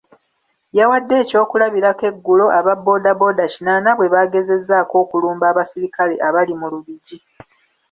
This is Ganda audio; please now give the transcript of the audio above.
Yawadde eky'okulabirako eggulo aba boda boda kinaana bwe baagezezzaako okulumba abasirikale abali mu Lubigi.